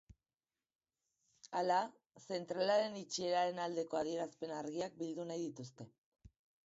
Hala, zentralaren itxieraren aldeko adierazpen argiak bildu nahi dituzte.